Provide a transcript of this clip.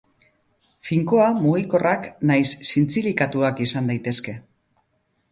Finkoa, mugikorrak nahiz zintzilikatuak izan daitezke.